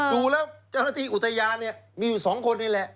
ดูแล้วเจ้าหน้าที่อุทยานเนี่ยมีอยู่๒คนนี่แหละ